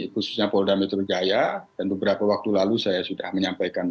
khususnya polda metro jaya dan beberapa waktu lalu saya sudah menyampaikan